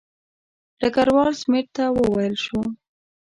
ډګروال سمیت ته وویل شو.